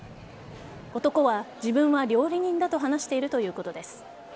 男は、自分は料理人だと話しているということです。